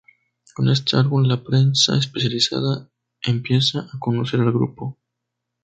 Con este álbum la prensa especializada empieza a conocer al grupo.